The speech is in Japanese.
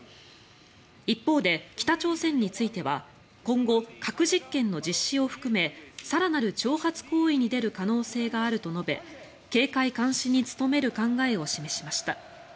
一方で北朝鮮については今後、核実験の実施を含め更なる挑発行為に出る可能性があると述べ警戒監視に努める考えを示しました。